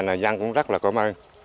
là giang cũng rất là cảm ơn